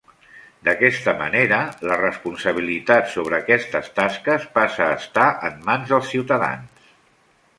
D'aquesta manera, la responsabilitat sobre aquestes tasques passa a estar en mans dels ciutadans.